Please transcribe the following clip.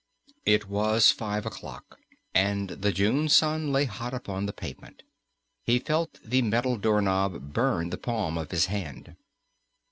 5 It was five o'clock, and the June sun lay hot upon the pavement. He felt the metal door knob burn the palm of his hand.